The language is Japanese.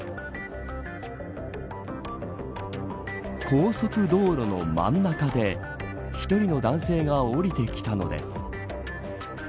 高速道路の真ん中で１人の男性が降りてきたのです。